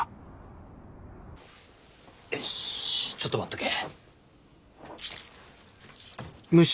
よしちょっと待っとけ。